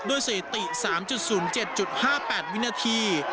ด้วยส์รีติ๓๐๗๕๘วินาที